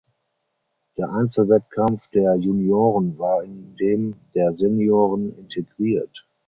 Der Einzelwettkampf der Junioren war in dem der Senioren integriert.